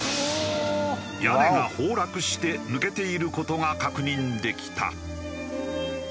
屋根が崩落して抜けている事が確認できた。